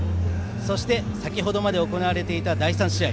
そして先ほどまで行われていた第３試合。